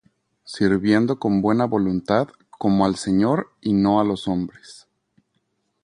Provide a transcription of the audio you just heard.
Sirviendo con buena voluntad, como al Señor, y no á los hombres;